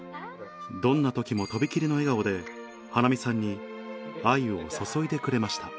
どんな時もとびきりの笑顔で華実さんに愛を注いでくれました